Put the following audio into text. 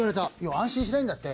安心しないんだって。